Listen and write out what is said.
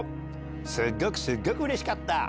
すっごくすっごくうれしかった。